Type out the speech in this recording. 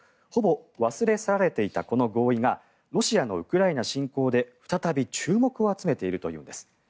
ほぼ忘れ去られていたこの合意がロシアのウクライナ侵攻で再び注目を集めているというんです。